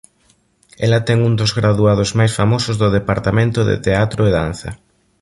Ela ten un dos graduados máis famosos do Departamento de Teatro e Danza.